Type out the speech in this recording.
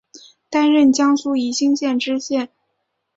担任江苏宜兴县知县。